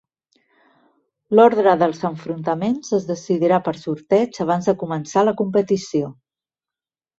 L'ordre dels enfrontaments es decidirà per sorteig abans de començar la competició.